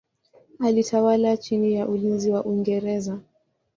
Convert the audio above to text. Alitawala chini ya ulinzi wa Uingereza.